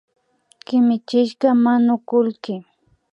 Kimichishka manukullki